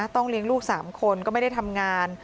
ต้องเลี้ยงลูก๓คนก็ไม่ได้ทำงาน